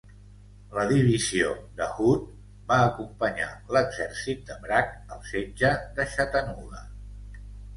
La divisió de Hood va acompanyar l'exèrcit de Bragg al setge de Chattanooga.